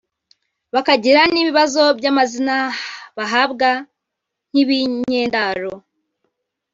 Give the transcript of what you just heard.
bakagira n’ibibazo by’amazina bahabwa ‘nk’ibinyendaro